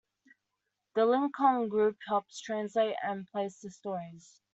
The Lincoln Group helps translate and place the stories.